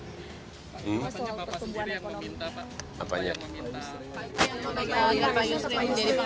bagaimana soal pertumbuhan ekonomi pak